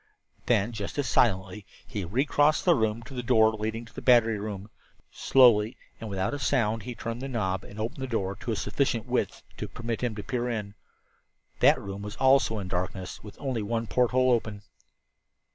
Then, just as silently, he re crossed the room to the door leading to the battery room; slowly and without a sound he turned the knob and opened the door to a sufficient width to permit him to peer in. That room also was in darkness, with only one porthole open.